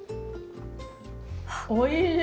おいしい！